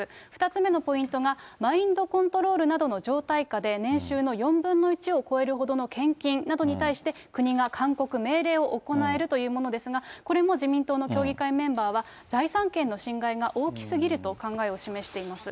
２つ目のポイントが、マインドコントロールなどの状態下で年収の４分の１を超えるほどの献金などに対して、国が勧告、命令を行えるというものですが、これも自民党の協議会メンバーは、財産権の侵害が大きすぎると考えを示しています。